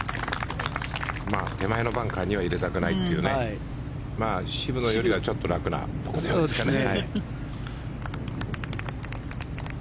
手前のバンカーには入れたくないというね渋野よりはちょっと楽なところでしたね。